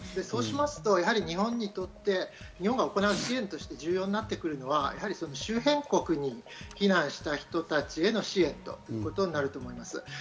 そうしますと日本にとって日本が行う支援として重要になってくるのは周辺国に避難した人への支援ということになると思います。